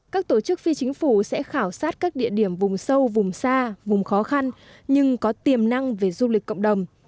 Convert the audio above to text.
các tổ chức phi chính phủ sẽ khảo sát các địa điểm vùng sâu vùng xa vùng khó khăn nhưng có tiềm năng về du lịch cộng đồng